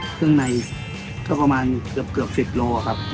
เครื่องในก็ประมาณเกือบ๑๐โลครับ